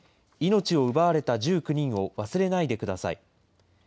命を奪われた１９人を忘れないでください。